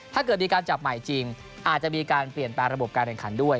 ถ้าเกิดมีการจับใหม่จริงอาจจะมีการเปลี่ยนแปลงระบบการแข่งขันด้วย